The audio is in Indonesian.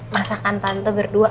masakan tante berdua